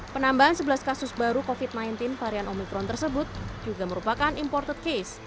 penambahan sebelas kasus baru covid sembilan belas varian omikron tersebut juga merupakan imported case